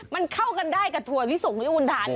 มันเข้ากันได้กับถั่วที่ส่งให้คุณทานนะครับ